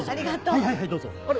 はいはいはいどうぞ。